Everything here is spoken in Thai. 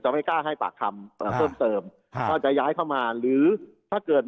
ไม่กล้าให้ปากคำเพิ่มเติมครับว่าจะย้ายเข้ามาหรือถ้าเกิด